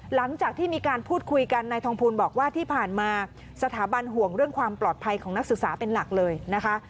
หลังจากที่มีการพูดคุยกันนายทองภูลบอกว่าที่ผ่านมาสถาบันห่วงเรื่องความปลอดภัยของนักศึกษาเป็นหลักเลยนะคะ